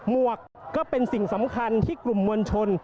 หวกก็เป็นสิ่งสำคัญที่กลุ่มมวลชน